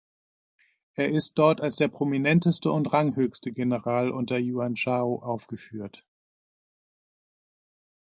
Er ist dort als der prominenteste und ranghöchste General unter Yuan Shao aufgeführt.